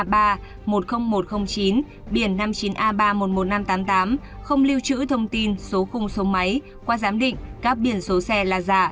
biển năm mươi chín a ba trăm một mươi một nghìn năm trăm tám mươi tám không lưu trữ thông tin số khung số máy qua giám định các biển số xe là giả